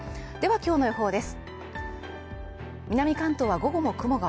今日の予報です。